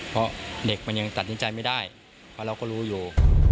เพราะเราก็รู้อยู่